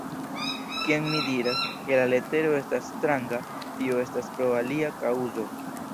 Kiam mi diras, ke la letero estas stranga, tio estas pro alia kaŭzo.